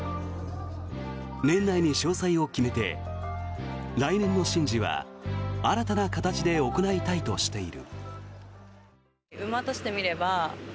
年内に詳細を決めて来年の神事は新たな形で行いたいとしている。